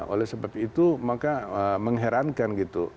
oleh sebab itu maka mengherankan gitu